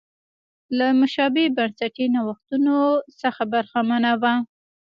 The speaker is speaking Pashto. له مشابه بنسټي نوښتونو څخه برخمنه وه.